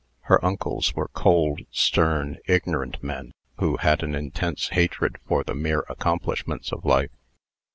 Her uncles were cold, stern, ignorant men, who had an intense hatred for the mere accomplishments of life.